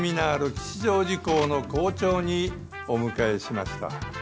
吉祥寺校の校長にお迎えしました。